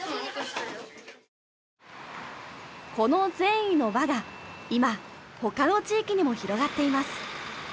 この善意の輪が今他の地域にも広がっています。